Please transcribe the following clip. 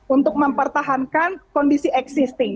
untuk mempertahankan kondisi existing